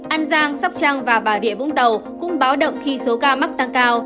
an giang sóc trăng và bà rịa vũng tàu cũng báo động khi số ca mắc tăng cao